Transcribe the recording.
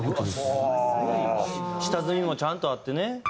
下積みもちゃんとあってね。